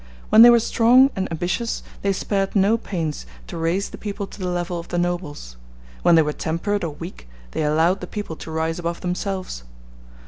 When they were strong and ambitious they spared no pains to raise the people to the level of the nobles; when they were temperate or weak they allowed the people to rise above themselves.